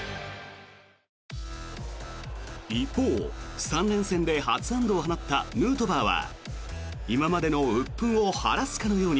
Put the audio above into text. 一方、３連戦で初安打を放ったヌートバーは今までのうっ憤を晴らすかのように。